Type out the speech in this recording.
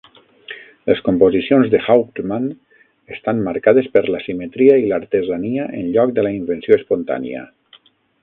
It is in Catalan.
Les composicions de Hauptmann estan marcades per la simetria i l'artesania en lloc de la invenció espontània.